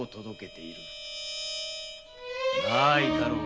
な伊太郎。